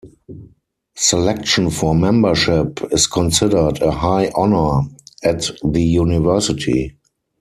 Selection for membership is considered a high honor at the University.